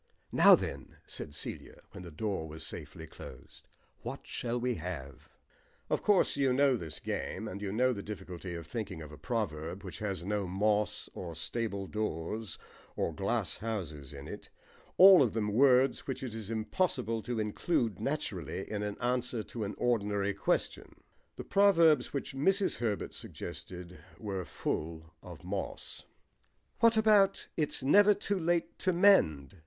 "Now then," said Celia, when the door was safely closed, "what shall we have?" Of course you know this game, and you know the difficulty of thinking of a proverb which has no moss or stable doors or glasshouses in it; all of them words which it is impossible to include naturally in an answer to an ordinary question. The proverbs which Mrs. Herbert suggested were full of moss. "What about 'It's never too late to mend?'"